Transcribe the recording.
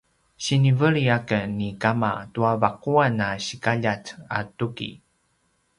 siniveli aken ni kama tua vaquan a sikaljat a tuki